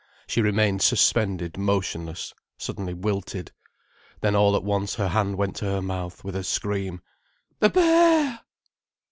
She remained suspended motionless, suddenly wilted. Then all at once her hand went to her mouth with a scream: "The Bear!"